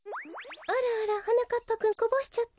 あらあらはなかっぱくんこぼしちゃった？